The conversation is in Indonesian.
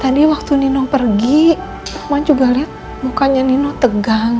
tadi waktu nino pergi teman juga lihat mukanya nino tegang